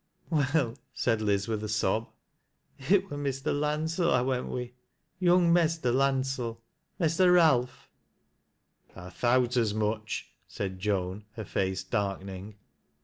" Well," said Liz with a sob, " it wur Mester Landsell I went wi' — young Mester Landsell — Mester Ralpli." " I thout as much," said Joan, her face darkening.